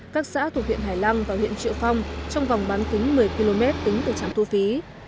các xã thuộc huyện hải lăng và huyện triệu phong trong vòng bán kính một mươi km tính từ trạm thu phí